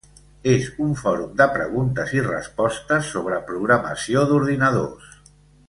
És un fòrum de preguntes i respostes sobre programació d'ordinadors.